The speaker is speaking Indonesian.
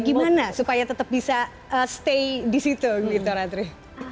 gimana supaya tetap bisa stay di situ gitu ratri